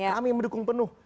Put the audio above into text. kami mendukung penuh